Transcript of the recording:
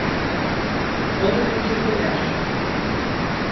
Onu götürdüler.